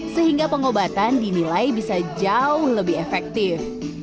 sehingga pengobatan dinilai bisa jauh lebih efektif